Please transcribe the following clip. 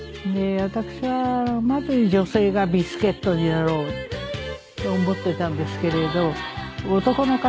私はまず女性が微助っ人になろうと思ってたんですけれど。